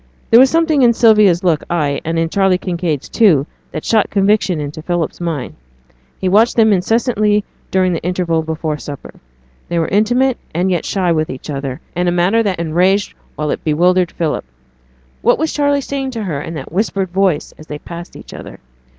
There was something in Sylvia's look, ay, and in Charley Kinraid's, too, that shot conviction into Philip's mind. He watched them incessantly during the interval before supper; they were intimate, and yet shy with each other, in a manner that enraged while it bewildered Philip. What was Charley saying to her in that whispered voice, as they passed each other?